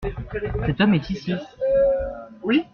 Cet homme est ici.